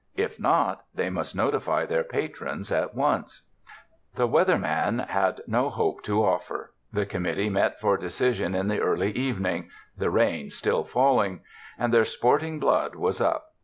If not, they must notify their patrons at once. The Weather Man had no hope to offer. The Committee met for decision in the early evening — the rain still falling — and their sporting blood was up.